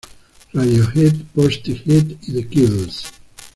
Radiohead, Portishead y The Kills.